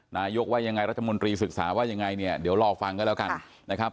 นายกว่ายังไงรัฐมนตรีศึกษาว่ายังไงเนี่ยเดี๋ยวรอฟังกันแล้วกันนะครับ